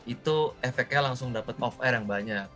itu efeknya langsung dapat off air yang banyak